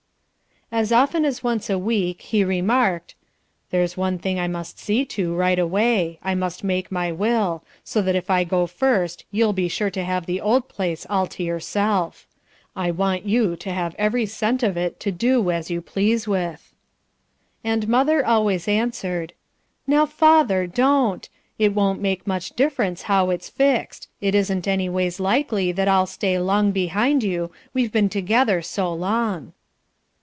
As often as once a week he remarked, "There's one thing I must see to, right away; I must make my will, so that if I go first you'll be sure to have the old place all to yourself. I want you to have every cent of it to do as you please with." And "Mother" always answered, "Now, father, don't! It won't make much difference how it's fixed; it isn't anyways likely that I'll stay long behind you, we've been together so long."